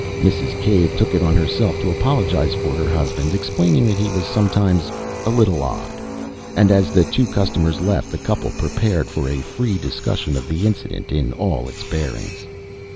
Mrs. Cave took it on herself to apologise for her husband, explaining that he was sometimes "a little odd," and as the two customers left, the couple prepared for a free discussion of the incident in all its bearings.